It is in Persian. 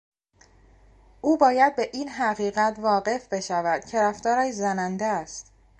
او باید به این حقیقت واقف بشود که رفتارش زننده است.